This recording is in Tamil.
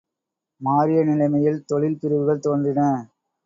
மாறிய நிலைமையில், தொழில் பிரிவுகள் தோன்றின.